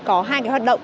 có hai cái hoạt động